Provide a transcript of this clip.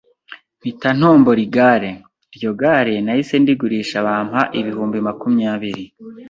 mpita ntombora Igare. Iryo gare nahise ndigurisha bampa ibihumbi makumyabiri